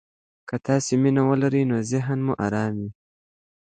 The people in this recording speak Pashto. که تاسي مینه ولرئ، نو ذهن مو ارام وي.